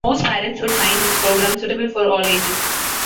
Most parents would find this program suitable for all ages.